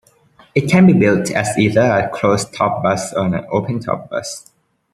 It can be built as either a closed top bus or an open-top bus.